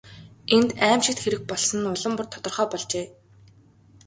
Энд аймшигт хэрэг болсон нь улам бүр тодорхой болжээ.